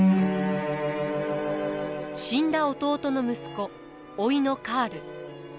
死んだ弟の息子甥のカール。